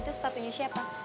itu sepatunya siapa